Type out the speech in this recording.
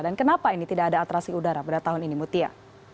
dan kenapa ini tidak ada atrasi udara pada tahun ini mutia